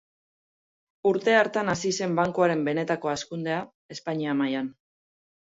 Urte hartan hasi zen bankuaren benetako hazkundea Espainia mailan.